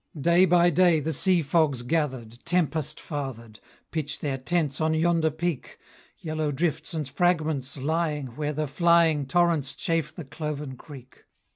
Day by day the sea fogs gathered Tempest fathered Pitch their tents on yonder peak, Yellow drifts and fragments lying Where the flying Torrents chafe the cloven creek!